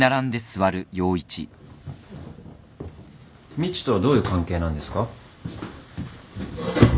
みちとはどういう関係なんですか？